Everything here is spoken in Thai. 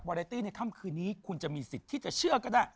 เรตี้ในค่ำคืนนี้คุณจะมีสิทธิ์ที่จะเชื่อก็ได้